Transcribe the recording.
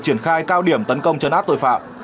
triển khai cao điểm tấn công chấn áp tội phạm